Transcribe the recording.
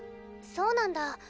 そうなんだ。